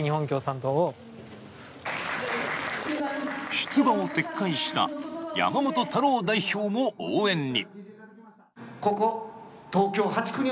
出馬を撤回した山本太郎代表も応援に。